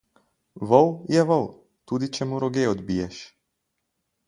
Vol je vol, tudi če mu roge odbiješ.